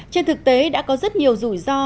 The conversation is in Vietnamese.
trên thực tế đã có rất nhiều rủi ro